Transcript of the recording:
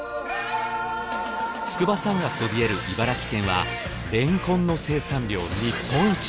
筑波山がそびえる茨城県はれんこんの生産量日本一。